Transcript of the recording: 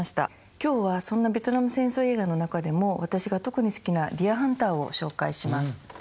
今日はそんなベトナム戦争映画の中でも私が特に好きな「ディア・ハンター」を紹介します。